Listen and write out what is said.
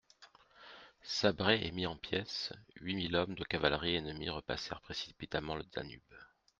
Sabrés et mis en pièces, huit mille hommes de cavalerie ennemie repassèrent précipitamment le Danube.